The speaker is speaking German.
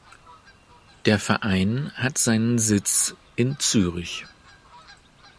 Der Verein hat seinen Sitz in Zürich.